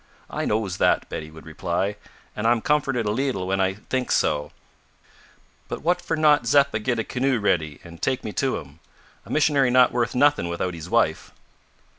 "I knows that," Betsy would reply, "an' I'm comforted a leetle when I think so; but what for not Zeppa git a canoe ready an' take me to him? A missionary not worth nothing without hees wife."